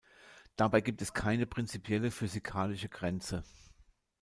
Dabei gibt es keine prinzipielle physikalische Grenze.